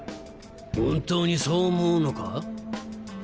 本当にそう思うのか？